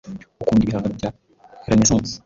Ukunda ibihangano bya Renaissance?